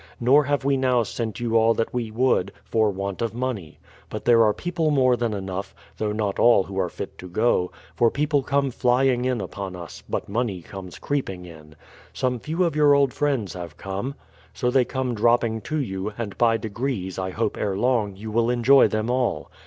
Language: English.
Nor have we now sent you all that we would, for want of money. But there are people more than enough, — though not all who are fit to go, — for people come flying in upon us, but money comes creeping in. Some few of your old friends have come. ... So the}' come drop ping to you, and by degrees, I hope ere long, you will enjoy them all.